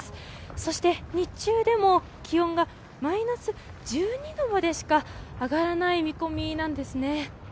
そして、日中でも気温がマイナス１２度までしか上がらない見込みなんですね。